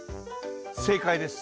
正解です。